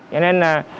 cho nên là